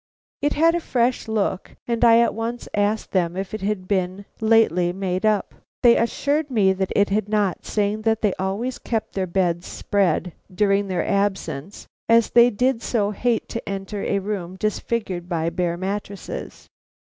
It had a fresh look, and I at once asked them if it had been lately made up. They assured me that it had not, saying that they always kept their beds spread during their absence, as they did so hate to enter a room disfigured by bare mattresses.